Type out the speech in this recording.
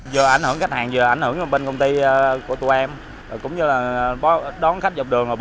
cảm ơn các bạn đã theo dõi